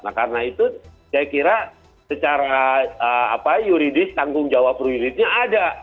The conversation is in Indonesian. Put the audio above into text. nah karena itu saya kira secara yuridis tanggung jawab rujuritnya ada